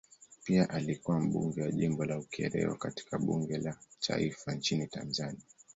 Pia alikuwa mbunge wa jimbo la Ukerewe katika bunge la taifa nchini Tanzania.